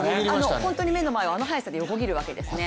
本当に目の前をあの速さで横切るわけですね。